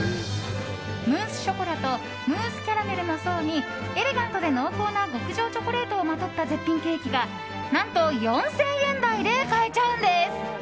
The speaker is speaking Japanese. ムースショコラとムースキャラメルの層にエレガントで濃厚な極上チョコレートをまとった絶品ケーキが、何と４０００円台で買えちゃうんです。